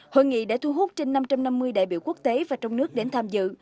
hội nghị đã thu hút trên năm trăm năm mươi đại biểu quốc tế và trong nước đến tham dự